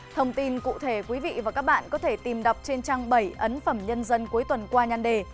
thông tin cụ thể quý vị và các bạn có thể tìm đọc trên trang bảy ấn phẩm nhân dân cuối tuần qua nhanh đề